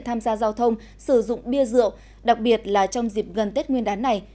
tham gia giao thông sử dụng bia rượu đặc biệt là trong dịp gần tết nguyên đán này